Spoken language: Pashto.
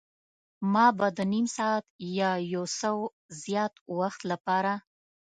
ما به د نیم ساعت یا یو څه زیات وخت لپاره.